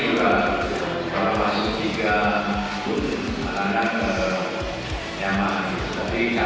tapi kalau bergoling golnya jadi akan nyaman